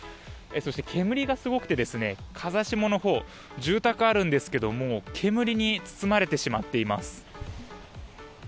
そして、煙がすごくて風下のほう住宅があるんですが煙に包まれてしまっています。